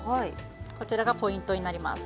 こちらがポイントになります。